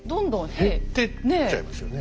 減ってっちゃいますよね。